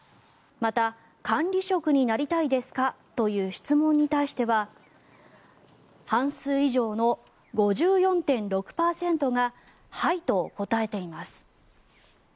また、管理職になりたいですかという質問に対しては半数以上の５４．６％がはいと答えています。